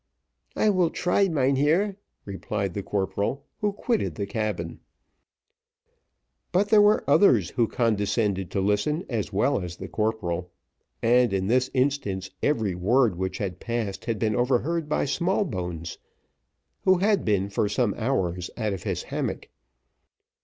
"I will try, mynheer," replied the corporal, who quitted the cabin. But there were others who condescended to listen as well as the corporal, and in this instance, every word which had passed, had been overheard by Smallbones, who had been for some hours out of his hammock.